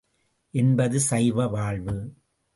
என்பது சைவ வாழ்வு.